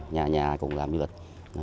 nhà nhà cùng làm du lịch